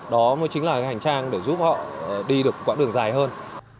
đó mới chính là hành trang để giúp họ đi được quãng đường dài hơn